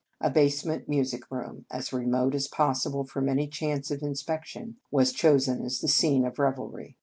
A base ment music room, as remote as pos sible from any chance of inspection, was chosen as the scene of revelry.